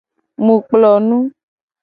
Mi kplo nu.